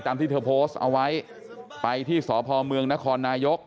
ที่เธอโพสต์เอาไว้ไปที่สพเมืองนครนายก